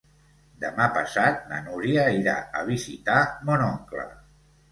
Demà passat na Núria irà a visitar mon oncle.